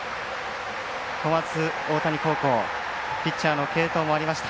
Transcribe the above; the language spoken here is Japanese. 小松大谷高校ピッチャーの継投もありました。